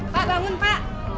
pak bangun pak